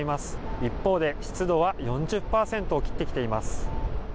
一方で湿度は４０％を切ってきています。